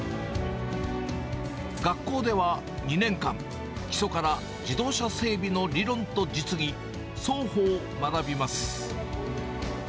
学校では２年間、基礎から自動車整備の理論と実技、双方を学びます。